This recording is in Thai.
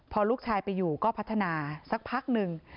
พอลูกชายไปอยู่ก็พัฒนาสักพักหนึ่ง